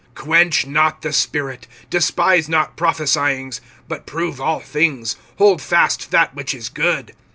(19)Quench not the Spirit. (20)Despise not prophesyings; (21)but prove all things, hold fast that which is good.